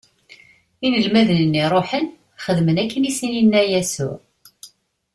Inelmaden-nni ṛuḥen, xedmen akken i sen-inna Yasuɛ.